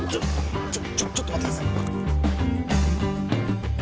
ちょっとちょっと待ってください